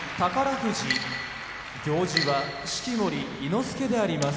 富士行司は式守伊之助であります。